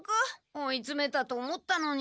追いつめたと思ったのに。